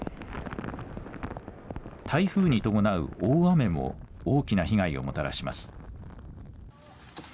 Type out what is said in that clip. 台風に伴う大雨も大きな被害をもたらします。